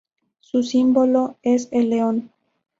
Su símbolo es el león.